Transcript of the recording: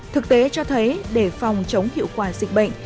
thực tế cho thấy để phòng chống hiệu quả dịch bệnh